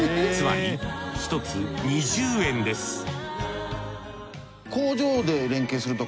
つまり１つ２０円です